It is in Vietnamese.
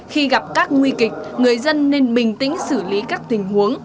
khi gặp các nguy kịch người dân nên bình tĩnh xử lý các tình huống